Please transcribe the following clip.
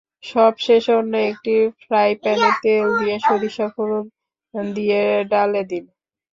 সবশেষে অন্য একটি ফ্রাইপ্যানে তেল দিয়ে সরিষা ফোড়ন দিয়ে ডালে দিন।